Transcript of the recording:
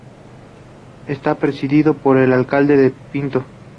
Está presidido por el alcalde de Pinto.